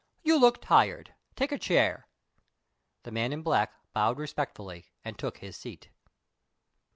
"You look tired. Take a chair." The man in black bowed respectfully, and took his seat.